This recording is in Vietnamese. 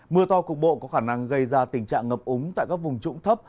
mưa to cục bộ có khả năng gây ra tình trạng ngập úng tại các vùng trũng thấp